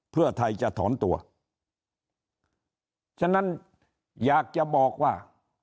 เพื่อไทยจะถอนตัวฉะนั้นอยากจะบอกว่า